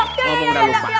ngomong udah lupa